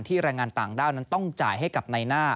แรงงานต่างด้าวนั้นต้องจ่ายให้กับในหน้า